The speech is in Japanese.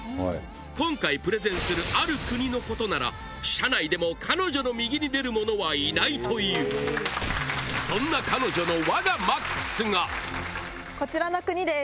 今回プレゼンするある国のことなら社内でも彼女の右に出る者はいないというそんな彼女のこちらの国です。